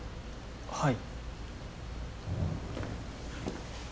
はい。